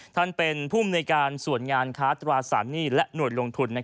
ท่านเป็นผู้มนุยการส่วนงานค้าตราสารหนี้และหน่วยลงทุน